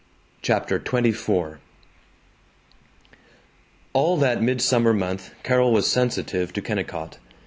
CHAPTER XXIV I ALL that midsummer month Carol was sensitive to Kennicott.